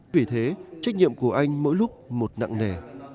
vì thế trách nhiệm của anh mỗi lúc một nặng nề